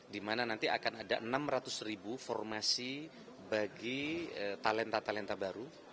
di mana nanti akan ada enam ratus ribu formasi bagi talenta talenta baru